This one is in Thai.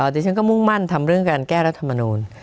แต่ฉันก็มุ่งมั่นทำเรื่องการแก้รัฐบาลมานุน